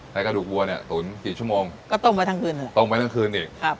กระดูกวัวเนี่ยตุ๋นกี่ชั่วโมงก็ต้มไปทั้งคืนต้มไว้ทั้งคืนอีกครับ